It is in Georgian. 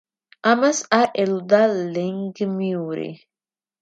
ამას არ ელოდა ლენგმიური.